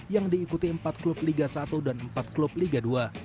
yang diikuti empat klub liga satu dan empat klub liga dua